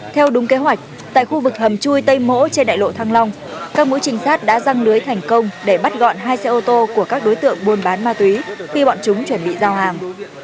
theo đúng kế hoạch tại khu vực hầm chui tây mỗ trên đại lộ thăng long các mũi trinh sát đã răng lưới thành công để bắt gọn hai xe ô tô của các đối tượng buôn bán ma túy khi bọn chúng chuẩn bị giao hàng